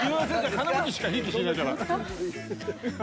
金持ちしかひいきしないから。